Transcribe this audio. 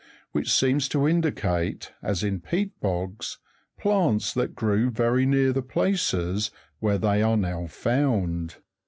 which seem to indicate, as in peat bogs, plants that grew very near the places where they are now found.